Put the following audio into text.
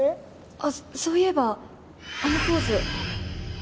あっそういえばあのポーズ。